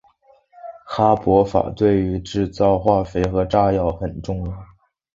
哈柏法对于制造化肥和炸药很重要。